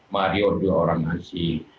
mario juga orang asing